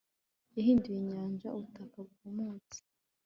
yahinduye inyanja ubutaka bwumutse